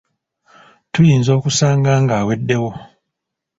Tuyinza okusanga ng’aweddewo.